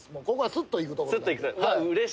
スッといくところ。